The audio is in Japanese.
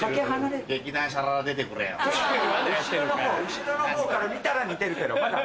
後ろのほうから見たら似てるけどまだ。